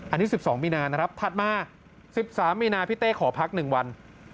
อันนี้๑๒มีนานะครับถัดมา๑๓มีนาพี่เต้ขอพัก๑วัน